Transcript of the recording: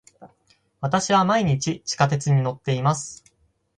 私は毎日地下鉄に乗っています。